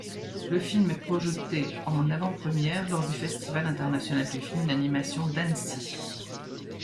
Le film est projeté en avant-première lors du Festival international du film d'animation d'Annecy.